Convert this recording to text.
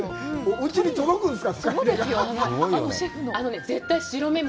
うちに届くんですか！？